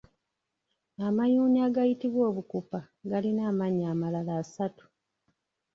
Amayuuni agayitibwa obukupa galina amannya amalala asatu.